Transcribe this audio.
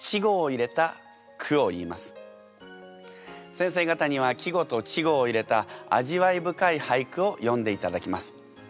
先生方には季語と稚語を入れた味わい深い俳句を詠んでいただきます。